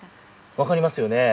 分かりますよね。